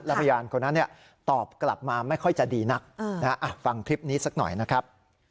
พยานคนนั้นตอบกลับมาไม่ค่อยจะดีนักฟังคลิปนี้สักหน่อยนะครับ